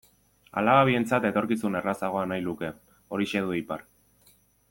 Alaba bientzat etorkizun errazagoa nahi luke, horixe du ipar.